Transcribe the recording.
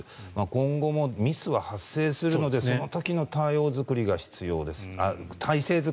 今後もミスは発生するのでその時の体制作りが必要です。